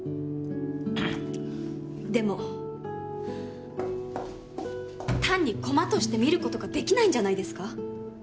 でも単に駒として見ることができないんじゃないですか？